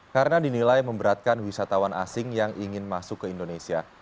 karena dinilai memberatkan wisatawan asing yang ingin masuk ke indonesia